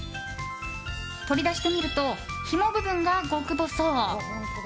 取り出してみるとひも部分が極細。